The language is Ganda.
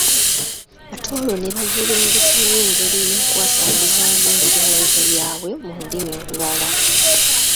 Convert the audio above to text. Ate olwo ne bagerengetanya engeri y’okwasanguzaamu ebirowoozo byabwe mu lulimi olulala.